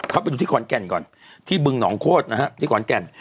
ไปดูที่ขอนแก่นก่อนที่บึงหนองโคตรนะฮะที่ขอนแก่น